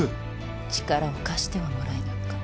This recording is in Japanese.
力を貸してはもらえぬか？